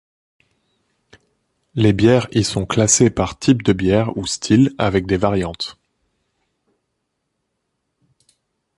Les bières y sont classées par type de bière ou style, avec des variantes.